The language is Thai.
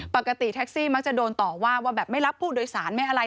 ปกติแท็กซี่มักจะโดนต่อว่าว่าแบบไม่รับผู้โดยสารไม่อะไร